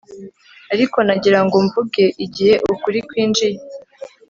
ariko nagira ngo mvuge igihe ukuri kwinjiye